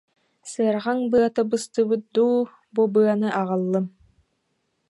Сыарҕаҥ быата быстыбыт дуу, бу быаны аҕаллым